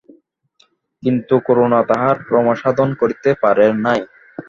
কিন্তু করুণা তাহার রসাস্বাদন করিতে পারে নাই।